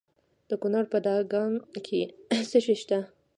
د کونړ په دانګام کې څه شی شته؟